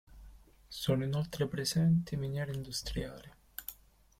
Sono inoltre presenti miniere industriali.